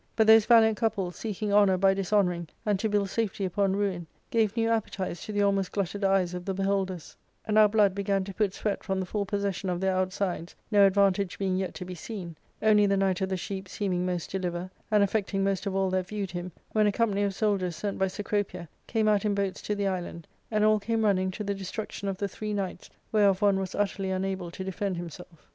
But those valiant couples, seeking honour by dishonouring, and to build safety upon ruin, gave new appetites to the almost glutted eyes of the beholders ; and now blood began to put sweat from the full possession of their outsides, no advantage being yet to be seen, only the Knight of the Sheep seeming most deliver,* and affecting most of all that viewed him, when a company of soldiers, sent by Cecropia, came out in boats to the island, and all came running to the destruction of the three knights, whereof one was utterly unable to defend himself.